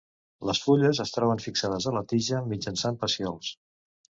Les fulles es troben fixades a la tija mitjançant pecíols.